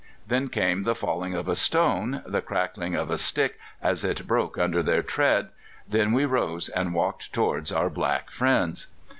Then came the falling of a stone, the crackling of a stick as it broke under their tread; then we rose and walked towards our black friends.